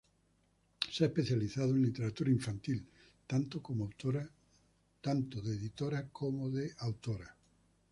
Se ha especializado en literatura infantil, tanto como autora como editora.